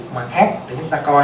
mà khác để chúng ta coi